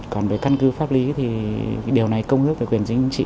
còn về căn cứ pháp lý thì điều này công ước về quyền chính trị